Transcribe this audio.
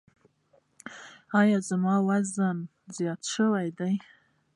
ایا وزن مو زیات شوی دی؟